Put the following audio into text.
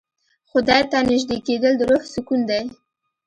خدای ته نژدې کېدل د روح سکون دی.